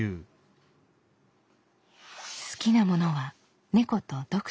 好きなものは猫と読書。